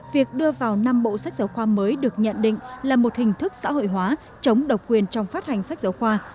việc đưa vào năm bộ sách giáo khoa mới được nhận định là một hình thức xã hội hóa chống độc quyền trong phát hành sách giáo khoa